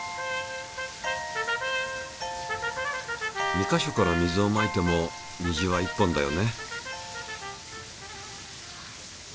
２か所から水をまいても虹は１本だよね。